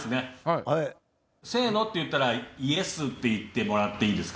「せーの」って言ったら「ｙｅｓ！」って言ってもらっていいですかね？